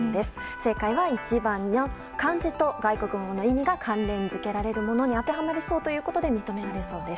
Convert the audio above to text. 正解は１番の漢字と外国語の意味が関連付けられるものに当てはまりそうということで認められそうです。